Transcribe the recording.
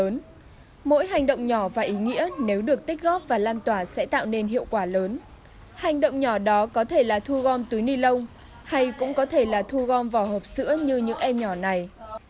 những em nhỏ đó có thể là thu gom túi ni lông hay cũng có thể là thu gom vỏ hộp sữa như những em nhỏ này